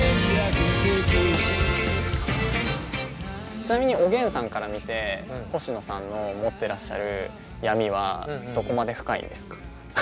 ちなみにおげんさんから見て星野さんの持ってらっしゃる闇はどこまで深いんですか。